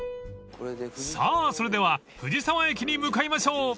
［さあそれでは藤沢駅に向かいましょう］